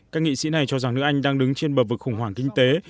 các nghị sĩ này cho rằng nước anh đang đứng trên bờ vực khủng hoảng kinh tế